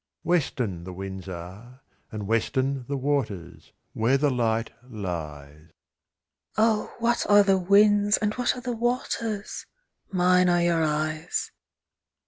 Western the winds are, And western the waters, Where the light lies : Oh ! what are the winds ? And what are Hie waters ? Mine are your eyes